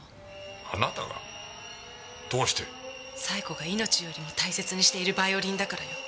冴子が命よりも大切にしているヴァイオリンだからよ。